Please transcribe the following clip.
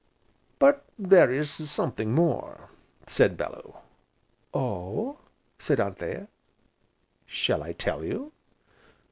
"But there is something more," said Bellew. "Oh?" said Anthea. "Shall I tell you?"